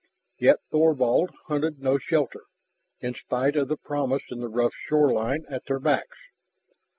Yet Thorvald hunted no shelter, in spite of the promise in the rough shoreline at their backs.